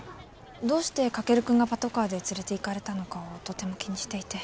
どうして翔君がパトカーで連れていかれたのかをとても気にしていて。